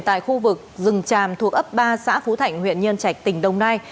tại khu vực rừng tràm thuộc ấp ba xã phú thạnh huyện nhân trạch tỉnh đồng nai